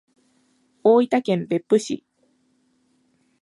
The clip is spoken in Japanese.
大分県別府市